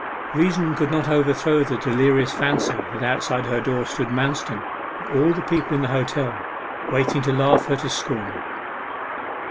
Reason could not overthrow the delirious fancy that outside her door stood Manston and all the people in the hotel, waiting to laugh her to scorn.